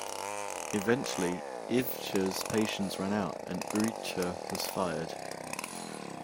Eventually, Ivcher's patience ran out, and Urrutia was fired.